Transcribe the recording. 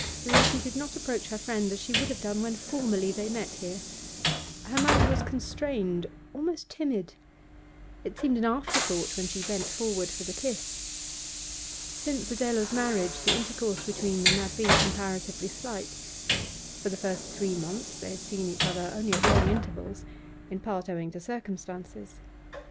Letty did not approach her friend as she would have done when formerly they met here. Her manner was constrained, almost timid; it seemed an afterthought when she bent forward for the kiss. Since Adela's marriage the intercourse between them had been comparatively slight. For the first three months they had seen each other only at long intervals, in part owing to circumstances.